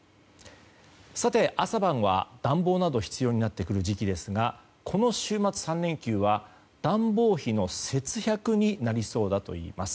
朝晩は暖房など必要になってくる時期ですがこの週末３連休は、暖房費の節約になりそうだといいます。